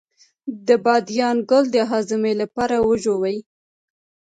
د بادیان ګل د هاضمې لپاره وژويئ